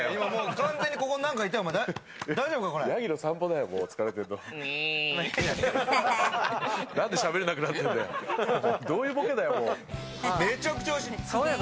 完全にここ何かいたよ、大丈夫か？